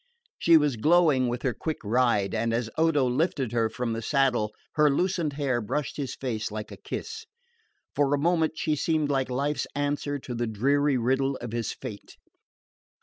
She was glowing with her quick ride, and as Odo lifted her from the saddle her loosened hair brushed his face like a kiss. For a moment she seemed like life's answer to the dreary riddle of his fate.